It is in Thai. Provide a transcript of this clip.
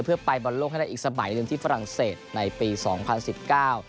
เพื่อไปบอลโลกให้ได้อีกสมัยหนึ่งที่ฝรั่งเศสในปีสองพันสิบเก้า